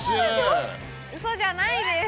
ウソじゃないです！